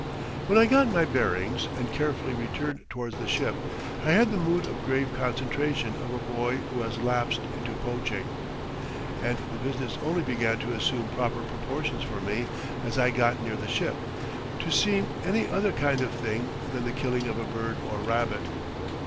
When I got my bearings, and carefully returned towards the ship. I had the mood of grave concentration of a boy who has lapsed into poaching. And the business only began to assume proper proportions for me as I got near the ship, to seem any other kind of thing than the killing of a bird or rabbit.